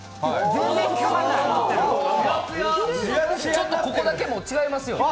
ちょっとここだけ、もう違いますよね。